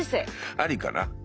ありかな。